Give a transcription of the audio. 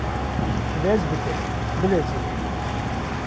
Tu lez bike bilezîne